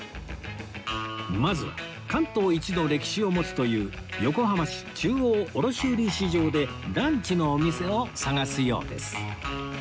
まずは関東一の歴史を持つという横浜市中央卸売市場でランチのお店を探すようです